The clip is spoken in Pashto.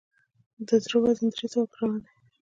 د زړه وزن درې سوه ګرامه دی.